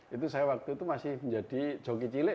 itu saya waktu itu masih menjadi joki cilik